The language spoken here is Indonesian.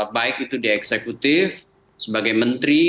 baik itu di eksekutif sebagai menteri